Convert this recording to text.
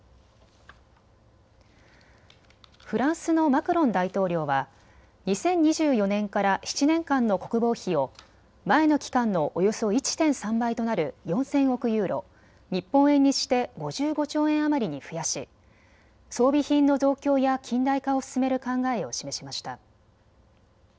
フランスのマクロン大統領は２０２４年から７年間の国防費を前の期間のおよそ１．３倍となる４０００億ユーロ、日本円にして５５兆円余りに増やし装備品の増強や近代化を進める考えを示しました。